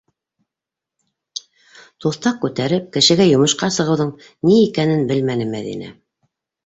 Туҫтаҡ күтәреп кешегә йомошҡа сығыуҙың ни икәнен белмәне Мәҙинә.